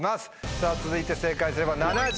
さぁ続いて正解すれば。